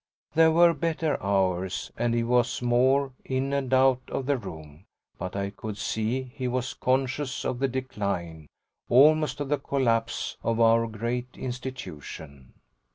There were better hours, and he was more in and out of the room, but I could see he was conscious of the decline, almost of the collapse, of our great institution.